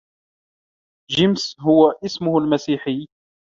جيمس هو اسمه المسيحي.